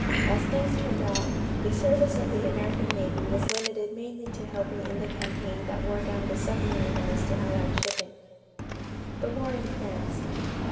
As things turned out, the service of the American navy was limited mainly to helping in the campaign that wore down the submarine menace to Allied shipping. =The War in France.